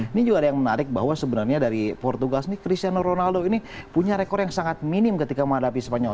ini juga ada yang menarik bahwa sebenarnya dari portugas ini cristiano ronaldo ini punya rekor yang sangat minim ketika menghadapi spanyol